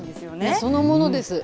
そのものです。